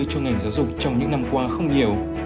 cho ngành giáo dục trong những năm qua không nhiều